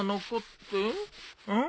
うん？